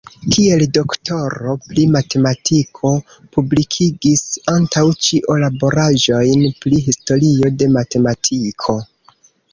Kiel doktoro pri matematiko publikigis antaŭ ĉio laboraĵojn pri historio de matematiko.